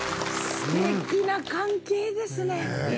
すてきな関係ですね。